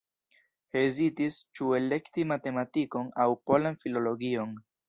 Hezitis ĉu elekti matematikon aŭ polan filologion.